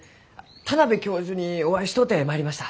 田邊教授にお会いしとうて参りました。